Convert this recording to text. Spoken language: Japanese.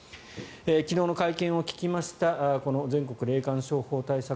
昨日の会見を聞きました全国霊感商法対策